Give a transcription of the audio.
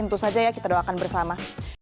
tentu saja ya kita doakan bersama